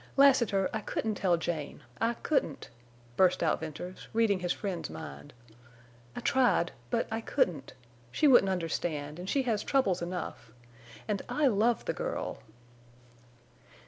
"Lassiter, I couldn't tell Jane! I couldn't," burst out Venters, reading his friend's mind. "I tried. But I couldn't. She wouldn't understand, and she has troubles enough. And I love the girl!"